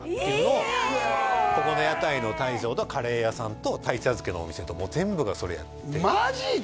ここの屋台の大将とカレー屋さんと鯛茶漬けのお店ともう全部がそれやってマジで！？